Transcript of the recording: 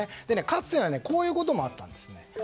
かつてはこういうこともあったんです。